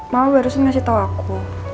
mama baru ngasih tau aku